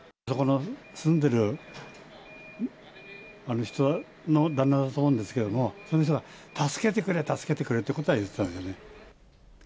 そこの住んでる人の旦那だと思うんですけれども、その人が、助けてくれ、助けてくれってことは言ってたんですね。